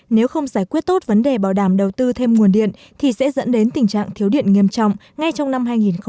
nếu không giải quyết tốt vấn đề bảo đảm đầu tư thêm nguồn điện thì sẽ dẫn đến tình trạng thiếu điện nghiêm trọng ngay trong năm hai nghìn hai mươi